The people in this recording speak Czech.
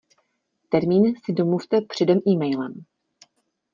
Termín si domluvte předem emailem.